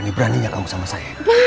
randy beraninya kamu sama saya